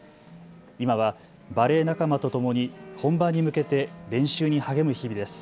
今はバレエ仲間とともに本番に向けて練習に励む日々です。